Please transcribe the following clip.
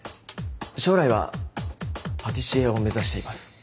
将来はパティシエを目指しています。